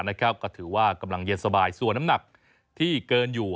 ก็ถือว่ากำลังเย็นสบายส่วนน้ำหนักที่เกินอยู่